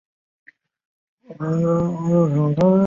是不是注重办案‘三个效果’有机统一区别出来